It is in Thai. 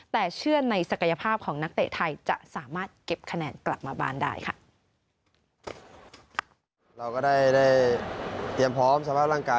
แต่เชื่อในศักยภาพของนักเตะไทยจะสามารถเก็บคะแนนกลับมาบ้านได้ค่ะ